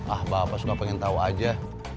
ah bapak suka pengen tau aja